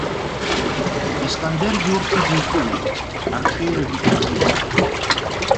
Искандергьы урҭ идикылеит, арҽеирагьы иҽазикит.